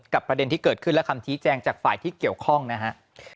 ประเด็นที่เกิดขึ้นและคำชี้แจงจากฝ่ายที่เกี่ยวข้องนะฮะ